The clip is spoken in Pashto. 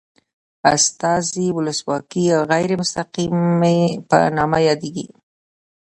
استازي ولسواکي د غیر مستقیمې په نامه یادیږي.